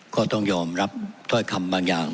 ก็ต้องยอมรับถ้อยคำบางอย่าง